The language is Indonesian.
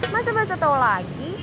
masa basah tahu lagi